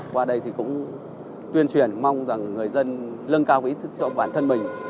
qua đây thì cũng tuyên truyền mong rằng người dân lưng cao ý thức cho bản thân mình